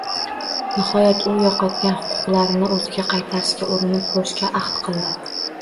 Nihoyat u yo`qotgan huquqlarini o`ziga qaytarishga urinib ko`rishga ahd qildi